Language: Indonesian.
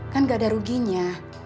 kan gak ada ruginya